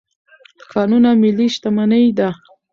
کانونه ملي شتمني ده.